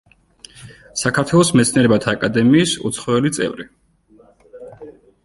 საქართველოს მეცნიერებათა აკადემიის უცხოელი წევრი.